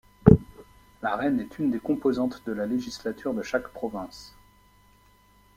La reine est une des composantes de la législature de chaque province.